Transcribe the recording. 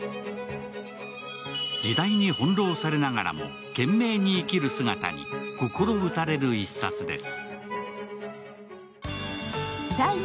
時代に翻弄されながらも懸命に生きる姿に心打たれる一冊です。